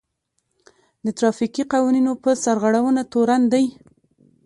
د ټرافيکي قوانينو په سرغړونه تورن دی.